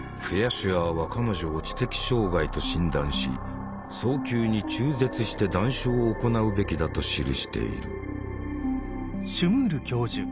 シュアーは彼女を知的障害と診断し「早急に中絶して断種を行うべきだ」と記している。